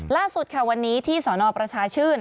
ล่าสุดค่ะวันนี้ที่สนประชาชื่น